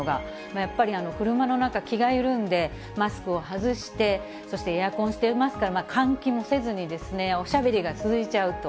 やっぱり車の中、気が緩んで、マスクを外して、そしてエアコンしていますから、換気もせずにおしゃべりが続いちゃうと。